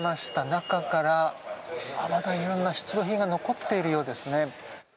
中からまだ色んな出土品が残っているようですね。